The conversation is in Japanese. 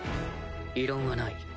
異論はない。